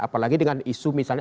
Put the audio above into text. apalagi dengan isu misalnya